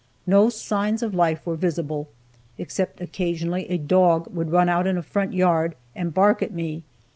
No signs of life were visible, except occasionally a dog would run out in a front yard and bark at me.